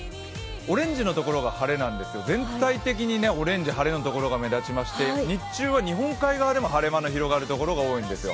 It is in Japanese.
オレンジの所が晴れなんですけど全体的にオレンジ、晴れのところが目立ちまして日中は日本海側でも晴れ間の広がるところが多いんですよ。